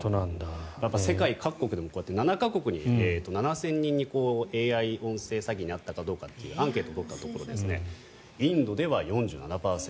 世界各国でも７か国に７０００人にＡＩ音声詐欺に遭ったかどうかアンケートを取ったところインドでは４７％